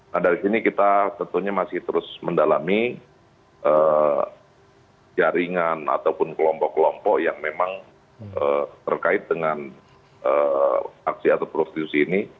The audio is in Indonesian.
nah dari sini kita tentunya masih terus mendalami jaringan ataupun kelompok kelompok yang memang terkait dengan aksi atau prostitusi ini